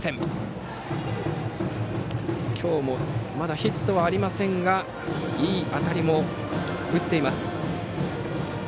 今日もまだヒットはありませんがいい当たりも打っています。